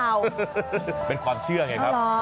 เป็นความเชื่อไงครับ